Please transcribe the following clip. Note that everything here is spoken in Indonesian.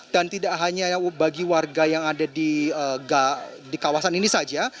dan tidak hanya bagi warga yang ada di kawasan ini saja